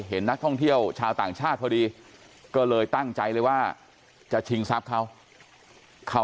เห็นนักท่องเที่ยวชาวต่างชาติพอดีก็เลยตั้งใจเลยว่าจะชิงทรัพย์เขาเขา